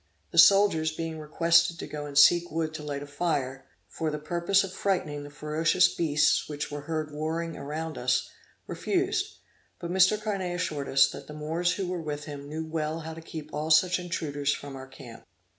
The soldiers, being requested to go and seek wood to light a fire, for the purpose of frightening the ferocious beasts which were heard roaring around us, refused; but Mr. Carnet assured us, that the Moors who were with him knew well how to keep all such intruders from our camp.